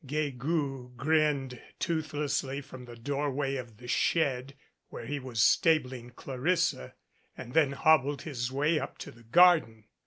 Guegou grinned toothlessly from the doorway of the shed where he was stabling Clarissa, and then hobbled his way up to the garden.